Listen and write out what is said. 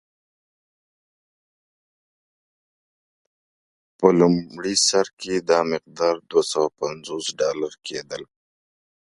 په لومړي سر کې دا مقدار دوه سوه پنځوس ډالر کېدل.